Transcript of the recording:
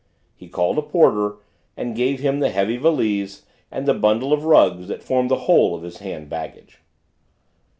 He called a porter, and gave him the heavy valise and the bundle of rugs that formed the whole of his hand baggage.